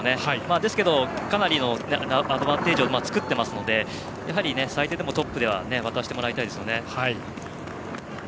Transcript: ですけど、かなりのアドバンテージを作ってますのでやはり最低でもトップで渡してもらいたいですね。